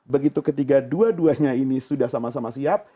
begitu ketiga dua duanya ini sudah sama sama siap